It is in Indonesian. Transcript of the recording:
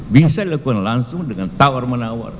bisa dilakukan langsung dengan tawar menawar